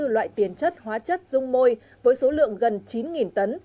sáu mươi bốn loại tiền chất hóa chất dung môi với số lượng gần chín tấn